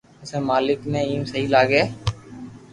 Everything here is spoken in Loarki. پسي مالڪ ني ايم سھي لاگي